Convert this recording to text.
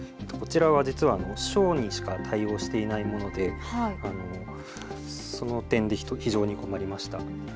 こちらは実は小にしか対応していないのでその点で非常に困りました。